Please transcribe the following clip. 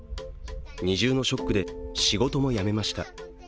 二重のショックで仕事も辞めました。